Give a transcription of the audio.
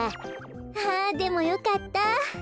あでもよかった。